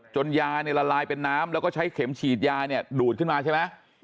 ยาเนี่ยละลายเป็นน้ำแล้วก็ใช้เข็มฉีดยาเนี่ยดูดขึ้นมาใช่ไหม